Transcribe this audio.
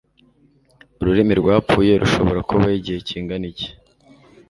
Ururimi rwapfuye rushobora kubaho igihe kingana iki?